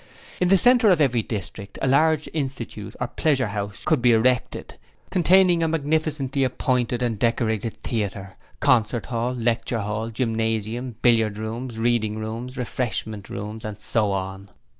'In the centre of every district a large Institute or pleasure house could be erected, containing a magnificently appointed and decorated theatre; Concert Hall, Lecture Hall, Gymnasium, Billiard Rooms, Reading Rooms, Refreshment Rooms, and so on.